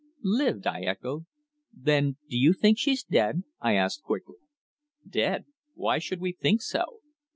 "Lived!" I echoed. "Then do you think she's dead?" I asked quickly. "Dead! Why should we think so?